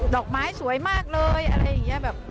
ดอกไม้สวยมากเลยอะไรอย่างนี้แบบ